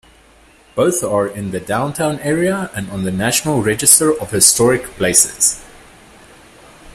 Both are in the downtown area and on the National Register of Historic Places.